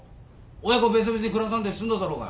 親子別々に暮らさんで済んだだろうが。